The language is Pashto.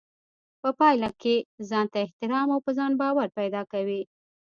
په پايله کې ځانته احترام او په ځان باور پيدا کوي.